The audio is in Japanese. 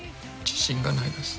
自信がないです。